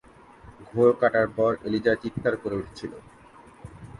ঘোর কাটার পর, এলিজা চিৎকার করে উঠেছিল।